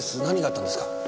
何があったんですか？